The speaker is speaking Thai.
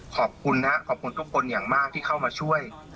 ขอบคุณนะครับขอบคุณทุกคนอย่างมากที่เข้ามาช่วย